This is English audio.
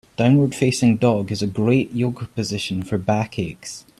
Downward facing dog is a great Yoga position for back aches.